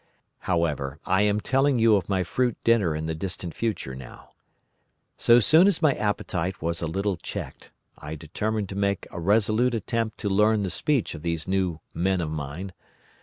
"However, I am telling you of my fruit dinner in the distant future now. So soon as my appetite was a little checked, I determined to make a resolute attempt to learn the speech of these new men of mine.